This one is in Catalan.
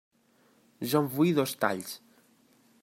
Jo en vull dos talls.